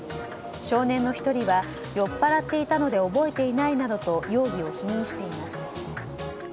少年の１人は酔っ払っていたので覚えていないなどと容疑を否認しています。